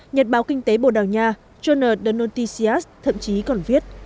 nhật báo kinh tế bồ đào nha john donatisias thậm chí còn viết